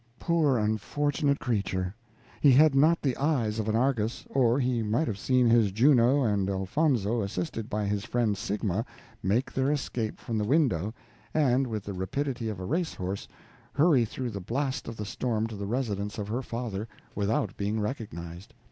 Poor, unfortunate creature! he had not the eyes of an Argus, or he might have seen his Juno and Elfonzo, assisted by his friend Sigma, make their escape from the window, and, with the rapidity of a race horse, hurry through the blast of the storm to the residence of her father, without being recognized.